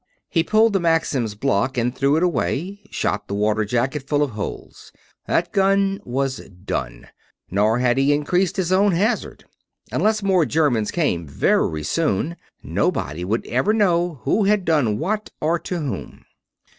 He pulled the Maxim's block and threw it away; shot the water jacket full of holes. That gun was done. Nor had he increased his own hazard. Unless more Germans came very soon, nobody would ever know who had done what, or to whom.